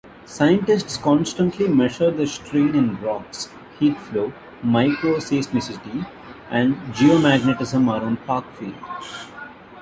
Scientists constantly measure the strain in rocks, heat flow, microseismicity, and geomagnetism around Parkfield.